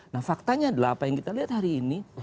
nah faktanya adalah apa yang kita lihat hari ini